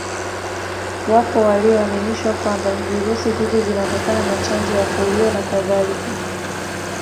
Wapo walioaminishwa kwamba virusi hivi vinatokana na Chanjo ya polio na Kadhaika